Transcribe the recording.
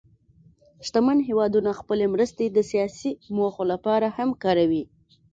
شتمن هېوادونه خپلې مرستې د سیاسي موخو لپاره هم کاروي.